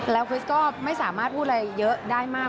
แล้วคริสก็ไม่สามารถพูดอะไรเยอะได้มาก